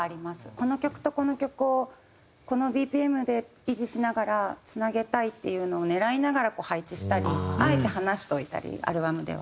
この曲とこの曲をこのＢＰＭで維持しながらつなげたいっていうのを狙いながらこう配置したりあえて離しといたりアルバムでは。